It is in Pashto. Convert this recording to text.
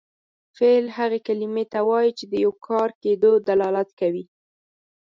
فعل هغې کلمې ته وایي چې د یو کار کیدو دلالت کوي.